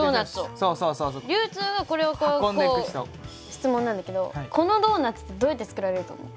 質問なんだけどこのドーナツってどうやって作られると思う？